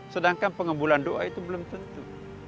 sedangkan pengembulan doa itu belum tentu